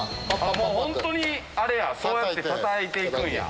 もうホントにあれやそうやってたたいて行くんや。